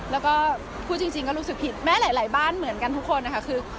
แล้วก็พูดจริงก็รู้สึกผิดแม้หลายบ้านเหมือนกันทุกคนนะคะคือ